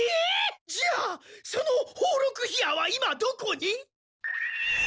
じゃあその宝禄火矢は今どこに？